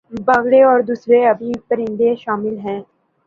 بگلے اور دوسرے آبی پرندے شامل ہیں